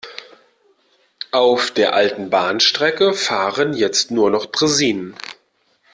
Auf der alten Bahnstrecke fahren jetzt nur noch Draisinen.